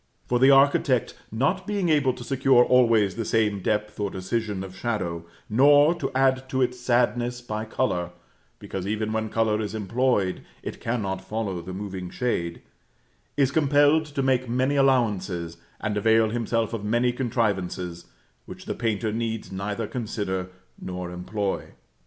For the architect, not being able to secure always the same depth or decision of shadow, nor to add to its sadness by color (because even when color is employed, it cannot follow the moving shade), is compelled to make many allowances, and avail himself of many contrivances, which the painter needs neither consider nor employ.